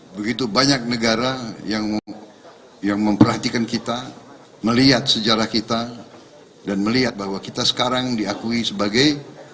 begitu banyak negara yang memperhatikan kita melihat sejarah kita dan melihat bahwa kita sekarang diakui sebagai